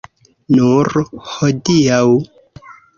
Nur hodiaŭ.